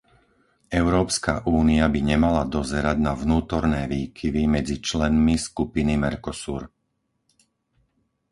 Európska únia by nemala dozerať na vnútorné výkyvy medzi členmi skupiny Mercosur.